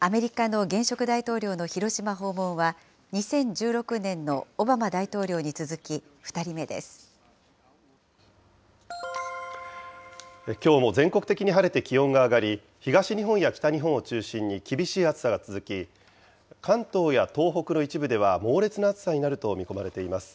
アメリカの現職大統領の広島訪問は、２０１６年のオバマ大統領にきょうも全国的に晴れて気温が上がり、東日本や北日本を中心に厳しい暑さが続き、関東や東北の一部では猛烈な暑さになると見込まれています。